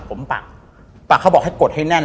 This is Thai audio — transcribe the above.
ผมปักปักเขาบอกให้กดให้แน่น